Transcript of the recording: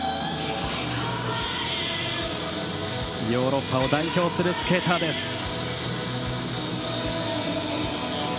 ヨーロッパを代表するスケーターです。